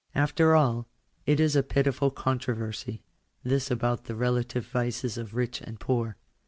After all ' it is a pitiful controversy, this about the rela tive vices of rich and poor.